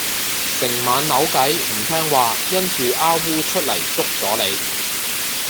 成晚扭計唔聽話因住虓䰧出噄捉咗你